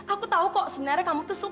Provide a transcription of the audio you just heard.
aku tau kok sebenarnya kamu tuh suka sama aku